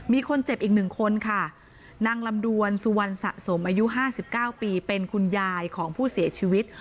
มีคนเจ็บอีกหนึ่งคนค่ะนางลำดวนสุวรรณสะสมอายุ๕๙ปีเป็นคุณยายของผู้เสียชีวิต